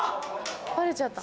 バレちゃった。